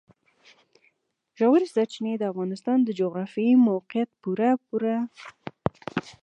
ژورې سرچینې د افغانستان د جغرافیایي موقیعت پوره یوه څرګنده پایله ده.